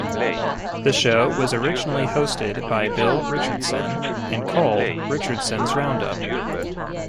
The show was originally hosted by Bill Richardson and called Richardson's Roundup.